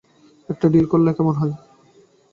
একটা ডিল করলে কেমন হয়?